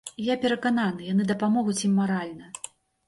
Я перакананы, яны дапамогуць ім маральна.